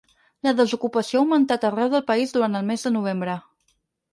La desocupació ha augmentat arreu del país durant el mes de novembre.